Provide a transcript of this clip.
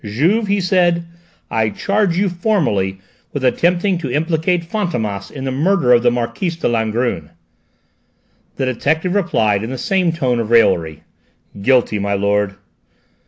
"Juve," he said, "I charge you formally with attempting to implicate Fantômas in the murder of the Marquise de Langrune!" The detective replied in the same tone of raillery. "Guilty, my lord!"